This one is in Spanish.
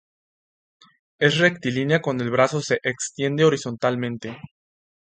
Es rectilínea cuando el brazo se extiende horizontalmente.